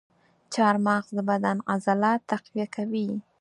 چارمغز د بدن عضلات تقویه کوي.